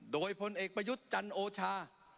โดยพลเอกประยุทธ์จันโอชา